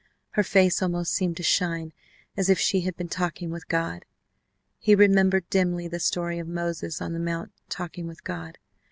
Her face almost seemed to shine as if she had been talking with God. He remembered dimly the story of Moses on the Mount talking with God.